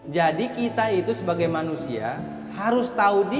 jadi kita itu sebagai manusia harus taudi